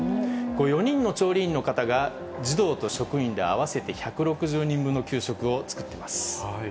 ４人の調理員の方が、児童と職員ら合わせて１６０人分の給食を作ってます。